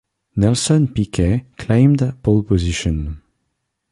Nelson Piquet claimed pole position.